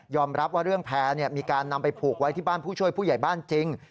รับว่าเรื่องแพร่มีการนำไปผูกไว้ที่บ้านผู้ช่วยผู้ใหญ่บ้านจริง